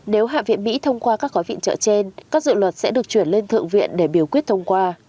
nếu hạ viện mỹ thông qua các gói viện trợ trên các dự luật sẽ được chuyển lên thượng viện để biểu quyết thông qua